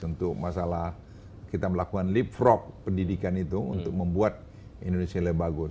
untuk masalah kita melakukan leapfrog pendidikan itu untuk membuat indonesia lebih bagus